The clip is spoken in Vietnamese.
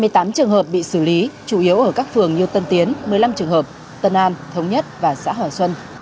hai mươi tám trường hợp bị xử lý chủ yếu ở các phường như tân tiến một mươi năm trường hợp tân an thống nhất và xã hòa xuân